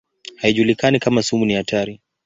Haijulikani kama sumu ni hatari.